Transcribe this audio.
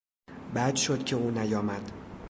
بد شد که او نیامد.